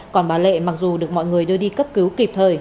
còn bà lệ mặc dù được mọi người đưa đi cấp cứu kịp thời